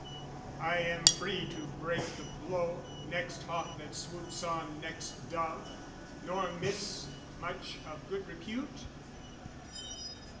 I am free to break the blow, next hawk that swoops On next dove, nor miss much of good repute?